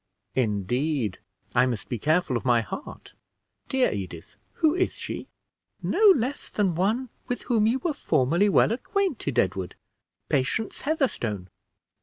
"Indeed! I must be careful of my heart. Dear Edith, who is she?" "No less than one with whom you were formerly well acquainted, Edward Patience Heatherstone."